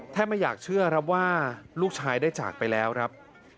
ไม่อยากเชื่อครับว่าลูกชายได้จากไปแล้วครับ